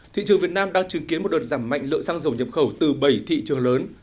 thị trường việt nam đang chứng kiến một đợt giảm mạnh lượng xăng dầu nhập khẩu từ bảy thị trường lớn